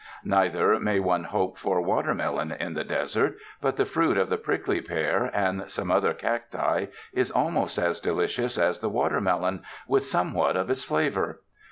Neither may one hope for watermelon in the desert, but the fruit of the prickly pear and some other cacti is almost as delicious as the watermelon, with somewhat of its flavor.